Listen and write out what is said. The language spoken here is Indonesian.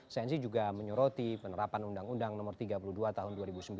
sensi juga menyoroti penerapan undang undang no tiga puluh dua tahun dua ribu sembilan